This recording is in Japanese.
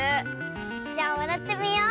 じゃわらってみよう。